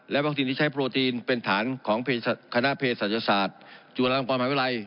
วัคซีนที่ใช้โปรตีนเป็นฐานของคณะเพศศาสตร์จุฬาลงกรมหาวิทยาลัย